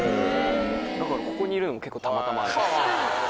だからここにいるのも結構たまたまなんです。